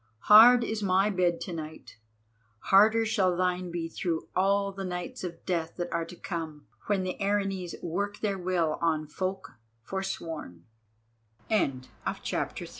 Hard is my bed to night, harder shall thine be through all the nights of death that are to come when the Erinnyes work their will on folk forsworn." CHAPTER IV.